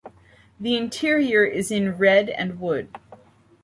The interior is in red and wood.